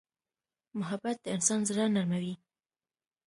محبت د انسان زړه نرموي.